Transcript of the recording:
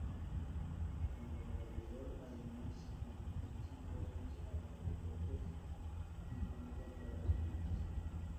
En Lo Valledor además se comercializan carnes, abarrotes y comida para animales.